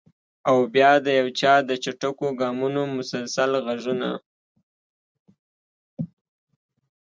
او بیا د یو چا د چټکو ګامونو مسلسل غږونه!